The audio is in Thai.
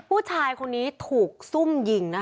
ผู้ชายคนนี้ถูกซุ่มยิงนะคะ